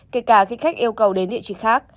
kể cả khi khách yêu cầu đến địa chỉ khác